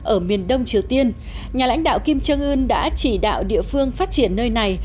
ở miền đông triều tiên nhà lãnh đạo kim trương ưn đã chỉ đạo địa phương phát triển nơi này